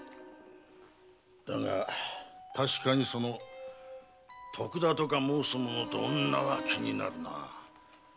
だが確かにその徳田とか申す者と女は気になるな。